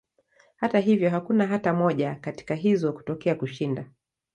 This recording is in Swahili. Hata hivyo, hakuna hata moja katika hizo kutokea kushinda.